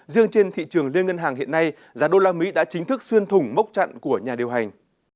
riêng trên thị trường liên ngân hàng hiện nay giá đô la mỹ đã chính thức xuyên thùng mốc chặn của nhà điều hành